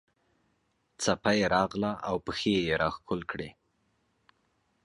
څپه یې راغله او پښې یې راښکل کړې.